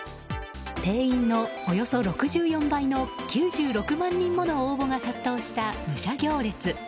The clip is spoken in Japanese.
定員のおよそ６４倍の９６万人もの応募が殺到した武者行列。